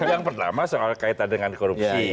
yang pertama soal kaitan dengan korupsi